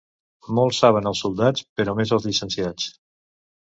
Molt saben els soldats, però més els llicenciats.